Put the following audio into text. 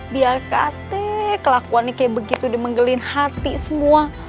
biar kakek kelakuannya kayak begitu dimenggelin hati semua